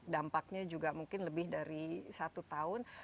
dampaknya juga mungkin lebih dari satu tahun